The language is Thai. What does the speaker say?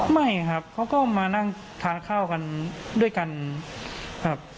ไม่ครับเขาก็มานั่งทานข้าวกันด้วยกันครับ